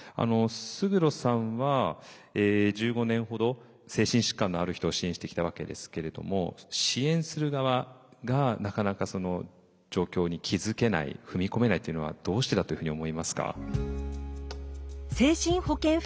勝呂さんは１５年ほど精神疾患のある人を支援してきたわけですけれども支援する側がなかなか状況に気づけない踏み込めないっていうのはどうしてだというふうに思いますか？